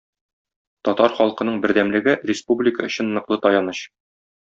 Татар халкының бердәмлеге - республика өчен ныклы таяныч.